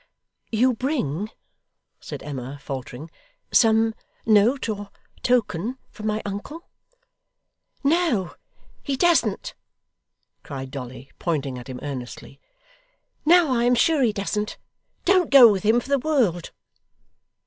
'You bring,' said Emma, faltering, 'some note or token from my uncle?' 'No, he doesn't,' cried Dolly, pointing at him earnestly; 'now I am sure he doesn't. Don't go with him for the world!